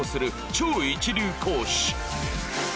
超一流講師